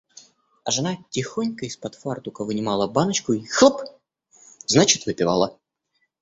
А жена тихонько из-под фартука вынимала баночку и хлоп, значит, выпивала.